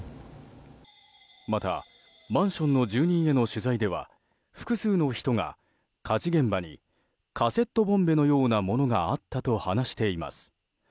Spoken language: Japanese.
また、マンションの住人への取材では複数の人が、火事現場にカセットボンベのようなものがあったと話しています。